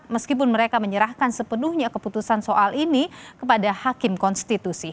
meskipun mereka menyerahkan sepenuhnya keputusan soal ini kepada hakim konstitusi